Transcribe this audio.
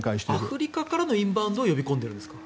アフリカからのインバウンドを呼び込んでいるんですか。